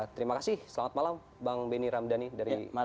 terima kasih selamat malam bang benny ramdhani dari malang